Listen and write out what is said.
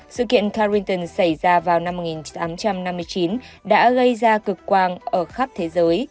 sự kiện cariton xảy ra vào năm một nghìn tám trăm năm mươi chín đã gây ra cực quang ở khắp thế giới